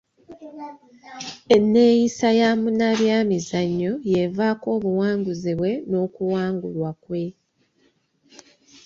Enneeyisa ya munnabyamizannyo y'evaako obuwanguzi bwe n'okuwangulwa kwe.